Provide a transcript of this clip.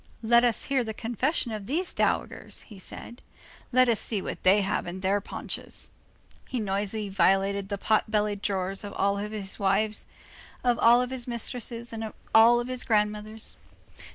—"Let us hear the confession of these dowagers," he said, "let us see what they have in their paunches." He noisily violated the pot bellied drawers of all his wives, of all his mistresses and of all his grandmothers.